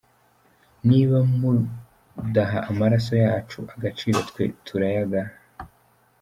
Niba mudaha amaraso yacu agaciro twe turayagaha.